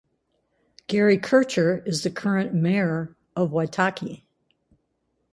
Gary Kircher is the current mayor of Waitaki.